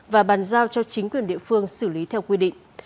và bàn giao cho chính quyền địa phương xử lý theo quy định